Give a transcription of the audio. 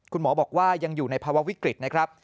คุณหมอบอกว่ายังอยู่ในภาวะวิกฤตนะครับ